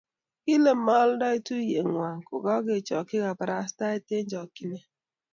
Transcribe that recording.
kile maaldae tuyet ngwai ko kakichochyi kobarasta eng chakchyinet